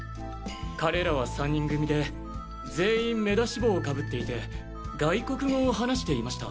彼らは３人組で全員目出し帽を被っていて外国語を話していました。